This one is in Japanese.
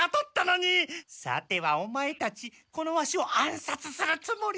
さてはオマエたちこのワシを暗殺するつもりで。